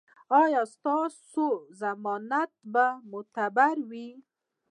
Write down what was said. ایا ستاسو ضمانت به معتبر وي؟